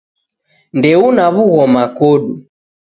Ndeuna w'ughoma kodu